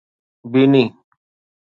بيني